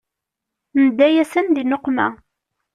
Nedda-yasen di nneqma.